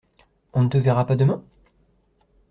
On ne te verra pas demain ?